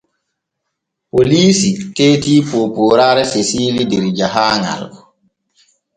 Poliisi teeti poopooraare Sesiili der jahaaŋal.